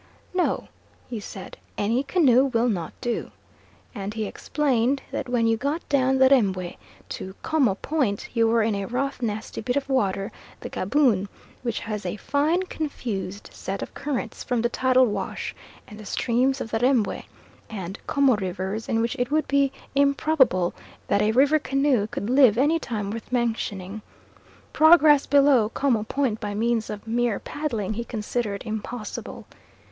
"No," he said, "any canoe will not do;" and he explained that when you got down the Rembwe to 'Como Point you were in a rough, nasty bit of water, the Gaboon, which has a fine confused set of currents from the tidal wash and the streams of the Rembwe and 'Como rivers, in which it would be improbable that a river canoe could live any time worth mentioning. Progress below 'Como Point by means of mere paddling he considered impossible.